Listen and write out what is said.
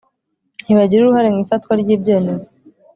Ntibagira uruhare mu ifatwa ry ibyemezo